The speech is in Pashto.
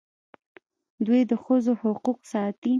دوی د ښځو حقوق ساتي.